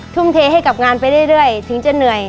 ทุ่มเทให้กับงานไปเรื่อยถึงจะเหนื่อย